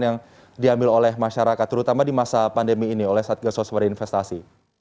yang diambil oleh masyarakat terutama di masa pandemi ini oleh satgas waspada investasi